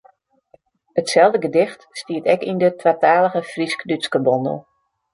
Itselde gedicht stiet ek yn de twatalige Frysk-Dútske bondel.